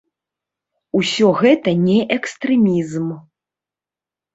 Усё гэта не экстрэмізм.